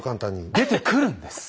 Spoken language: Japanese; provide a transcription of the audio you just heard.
出てくるんです！